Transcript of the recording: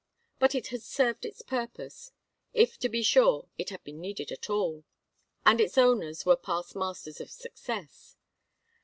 But it had served its purpose if to be sure it had been needed at all and its owners were past masters of success.